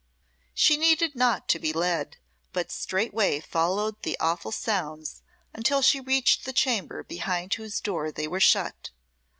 She needed not to be led, but straightway followed the awful sounds, until she reached the chamber behind whose door they were shut.